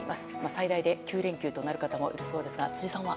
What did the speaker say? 最大で９連休となる方もいるそうですが、辻さんは？